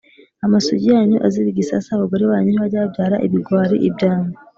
amasugi yanyu azira igisasa: abagore banyu ntibajya babyara ibigwari, ibyangwe